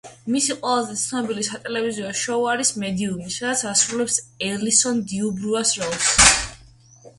მისი ყველაზე ცნობილი სატელევიზიო შოუ არის „მედიუმი“, სადაც ასრულებს ელისონ დიუბუას როლს.